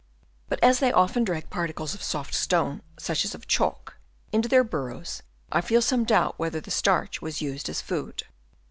But as they often drag particles of soft stone, such as of chalk, into their burrows, I feel some doubt whether the starch was used as food.